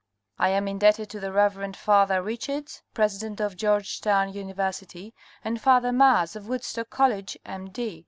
I am indebted to the Reverend Father Richards, president of Georgetown University, and Father Maas of Woodstock: College, Md.